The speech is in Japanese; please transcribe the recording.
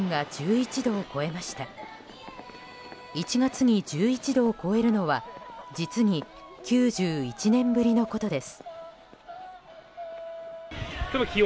１月に１１度を超えるのは実に９１年ぶりのことです。